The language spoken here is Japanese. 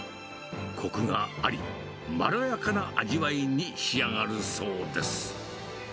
こくがあり、まろやかな味わいに仕上がるそうです。